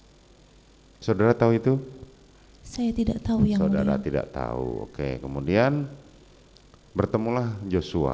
hai saudara tahu itu saya tidak tahu yang saudara tidak tahu oke kemudian bertemu lah joshua